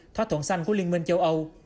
thỏa thuận xanh của liên minh châu âu